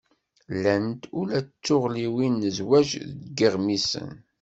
Llant ula d tullɣiwin n zzwaǧ deg iɣmisen.